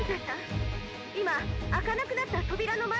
いまあかなくなったとびらのまえです！」。